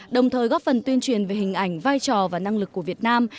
đồng thời góp phần tuyên truyền về hình ảnh vai trò và năng lực của việt nam